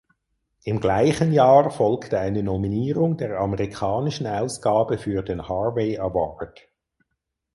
Im gleichen Jahr folgte eine Nominierung der amerikanischen Ausgabe für den Harvey Award.